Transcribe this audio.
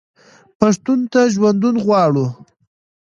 پښتون ته ژوندون غواړو.